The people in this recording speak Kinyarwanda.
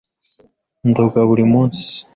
Ndoga buri munsi.